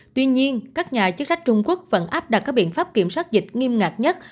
tuy nhiên các nhà chức trách trung quốc vẫn áp đặt các biện pháp kiểm soát dịch nghiêm ngặt nhất